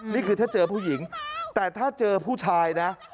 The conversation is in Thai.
นี่คือถ้าเจอผู้หญิงแต่ถ้าเจอผู้ชายนะ